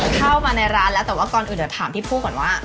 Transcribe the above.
เข้ามาในร้านแล้วแต่ว่าก่อนอื่นเดี๋ยวถามพี่ผู้ก่อนว่า